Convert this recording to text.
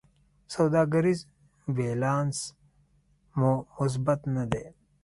سوداګریز بیلانس مو مثبت نه دی.